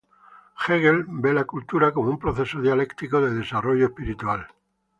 Hegel ve la cultura como un proceso dialéctico de desarrollo espiritual.